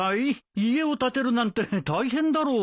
家を建てるなんて大変だろ。